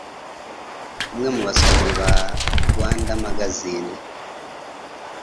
Umwe mu basomyi ba Rwandamagazine